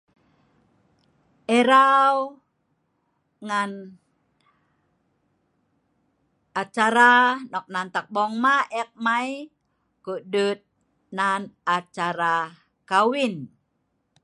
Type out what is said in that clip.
Erau ngan acara nok nan kampong maq eek nai ko’ duet nan acara kawin